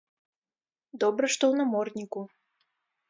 Добра, што ў намордніку.